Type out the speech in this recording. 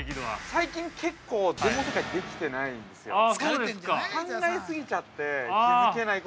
◆最近、結構、全問正解できてないんですよね。